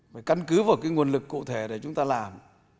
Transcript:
phải căn cứ vào cái nguồn lực cụ thể để chúng ta làm